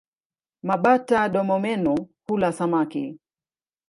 Mabata-domomeno hula samaki.